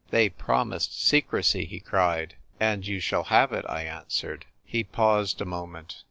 " They promised secrecy !" he cried. " And you shall have it," I answered. He paused a moment.